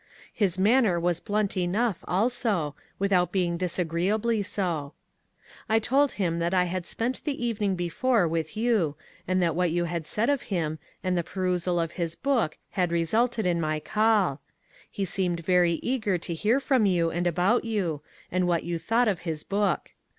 His manner was blunt enough also, without being disagreeably so. I told him that I had spent the evening before with you, and that what you had said of him, and the perusal of his book had resulted in my call. He seemed very eager to hear from you and about you, and what you thought of his book.